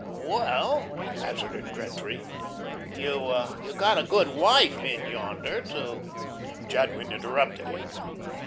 "Well," hazarded Gretry, "you got a good wife in yonder to " Jadwin interrupted him.